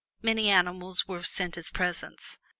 Many animals were sent as presents.